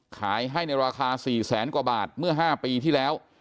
ขายให้ในราคา๔แสนกว่าบาทเมื่อ๕ปีที่แล้ว